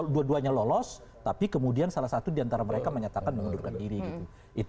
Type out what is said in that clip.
dua duanya lolos tapi kemudian salah satu diantara mereka menyatakan mengundurkan diri gitu